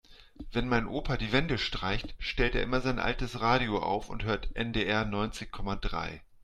Wenn mein Opa die Wände streicht, stellt er immer sein altes Radio auf und hört NDR neunzig Komma drei.